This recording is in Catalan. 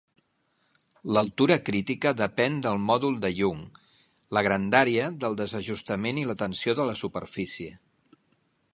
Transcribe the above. L'altura crítica depèn del mòdul de Young, la grandària del desajustament i la tensió de la superfície.